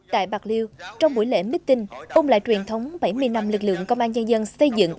tại bạc liêu trong buổi lễ meeting ôm lại truyền thống bảy mươi năm lực lượng công an nhân dân xây dựng